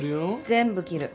全部切る。